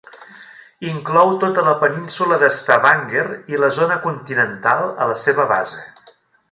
Inclou tota la península de Stavanger i la zona continental a la seva base.